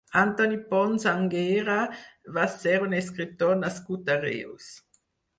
Antoni Pons Anguera va ser un escriptor nascut a Reus.